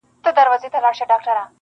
خو د کلي دننه درد لا هم ژوندی دی-